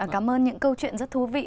cảm ơn những câu chuyện rất thú vị